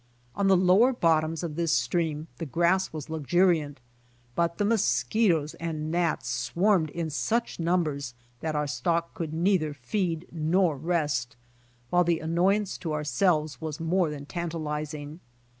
On the lower bottoms of this stream the grass was luxuriant, but the mosquitoes and gnats swarmed in such numbers that our stock could neither feed nor rest, while the annoyance to ourselves was more than tantalizing.